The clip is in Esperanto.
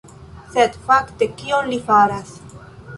Sed fakte kion li faras?